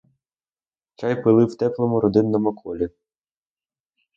Чай пили в теплому родинному колі.